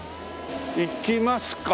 行きますか。